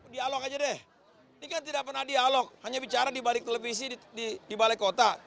dialog aja deh ini kan tidak pernah dialog hanya bicara di balik televisi di balai kota